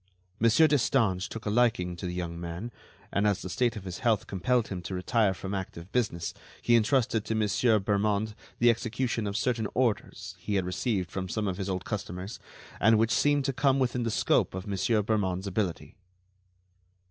Monsieur Destange took a liking to the young man, and as the state of his health compelled him to retire from active business, he entrusted to Monsieur Bermond the execution of certain orders he had received from some of his old customers and which seemed to come within the scope of Monsieur Bermond's ability."